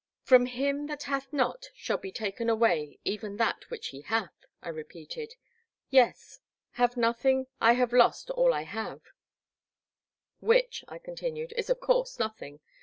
'*'' Prom him that hath not, shall be taken away even that wMch he hath,'* I repeated; yes, having nptfiing, I have lost all I have, which,'* I continued, is of course nothing.